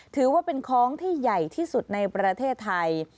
ถือว่าเป็นคล้องที่ใหญ่ที่สุดในประเทศไทย